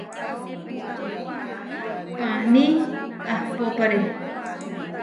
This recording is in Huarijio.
Paaní ahpópare.